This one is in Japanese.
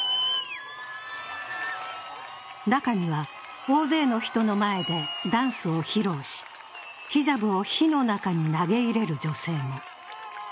中には、大勢の人の前でダンスを披露しヒジャブを火の中に投げ入れる女性も。